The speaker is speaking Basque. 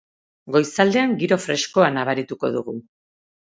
Goizaldean giro freskoa nabarituko dugu.